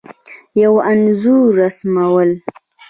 یو انځور رسمول